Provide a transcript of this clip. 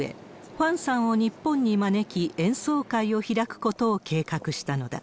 ファンさんを日本に招き、演奏会を開くことを計画したのだ。